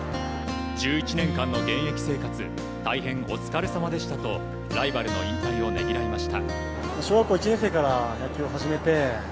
１１年間の現役生活大変お疲れさまでしたとライバルの引退をねぎらいました。